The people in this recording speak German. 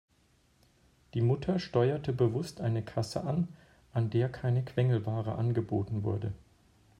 Die Mutter steuerte bewusst eine Kasse an, an der keine Quengelware angeboten wurde.